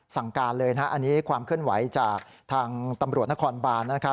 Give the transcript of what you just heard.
สั่งการเลยนะฮะอันนี้ความเคลื่อนไหวจากทางตำรวจนครบานนะครับ